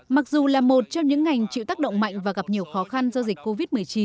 mặc dù là một trong những ngành chịu tác động mạnh và gặp nhiều khó khăn do dịch covid một mươi chín